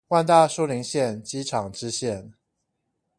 萬大樹林線機廠支線